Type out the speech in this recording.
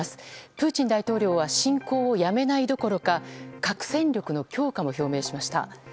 プーチン大統領は侵攻をやめないどころか核戦力の強化も表明しました。